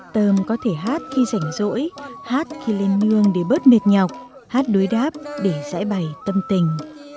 tôm có thể hát khi rảnh rỗi hát khi lên nương để bớt mệt nhọc hát đối đáp để giải bày tâm tình